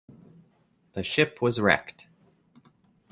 The ship was wrecked.